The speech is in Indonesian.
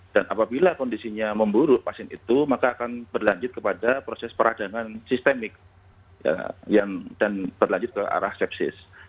dan apabila kondisinya memburuk pasien itu maka akan berlanjut kepada proses peradangan sistemik dan berlanjut ke arah sepsis